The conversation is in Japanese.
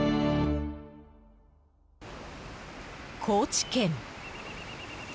高知県。